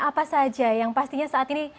apa saja yang pastinya saat ini